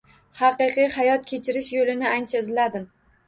Haqiqiy hayot kechirish yo‘lini ancha izladim.